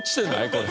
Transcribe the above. これ。